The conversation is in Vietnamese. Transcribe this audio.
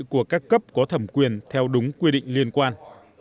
của các cấp có thẩm quyền theo đúng quy định liên quan